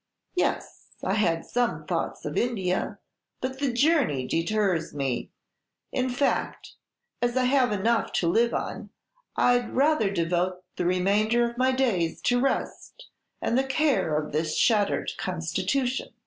"Yes; I had some thoughts of India, but the journey deters me, in fact, as I have enough to live on, I 'd rather devote the remainder of my days to rest, and the care of this shattered constitution."